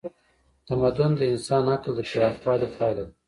تمدن د انساني عقل د پراخوالي پایله ده.